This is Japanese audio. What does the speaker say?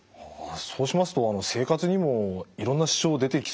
そうしますと生活にもいろんな支障出てきそうですね。